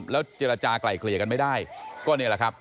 แล้วเจรจากลายเกลี่ยกันไม่ได้ก็นี่แหละครับ